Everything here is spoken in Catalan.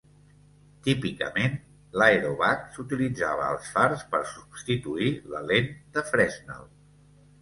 Típicament, l'aeròbac s'utilitzava als fars per substituir la lent de Fresnel.